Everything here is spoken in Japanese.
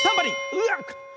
うわっ！